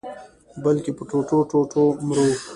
بلکي په ټوټو-ټوټو مرو